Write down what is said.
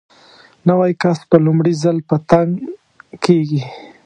نوی کس په لومړي ځل په تنګ کېږي.